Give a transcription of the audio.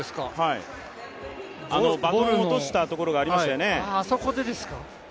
バトンを落としたところがありましたよね。